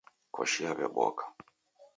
Koshi yaw'eboka.